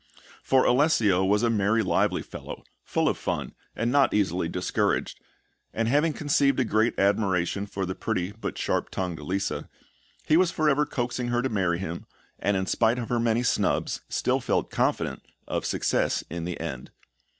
For Alessio was a merry, lively fellow, full of fun, and not easily discouraged; and having conceived a great admiration for the pretty but sharp tongued Lisa, he was for ever coaxing her to marry him, and in spite of her many snubs, still felt confident of success in the end.